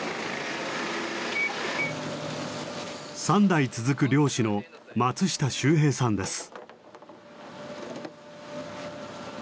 ３代続く漁師の松下周平さんです。